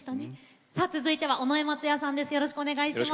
続いては尾上松也さんです。